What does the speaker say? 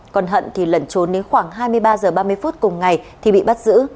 còn hận thì lẩn trốn đến khoảng hai mươi ba h ba mươi phút cùng ngày thì bị bắt giữ